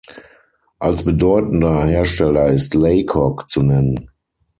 Als bedeutender Hersteller ist Laycock zu nennen.